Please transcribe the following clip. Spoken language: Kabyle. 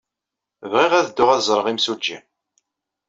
Bɣiɣ ad dduɣ ad ẓreɣ imsujji.